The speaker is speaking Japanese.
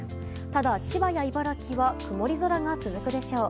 ただ、千葉や茨城は曇り空が続くでしょう。